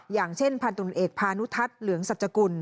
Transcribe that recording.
อย่างเช่นพันธุรกิจเอกพานุทัศน์เหลืองสัจกุล